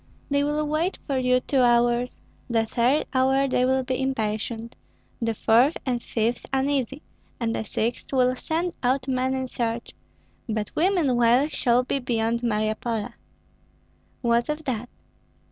They will wait for you two hours; the third hour they will be impatient, the fourth and fifth uneasy, and the sixth will send out men in search; but we meanwhile shall be beyond Maryapole." "What of that?"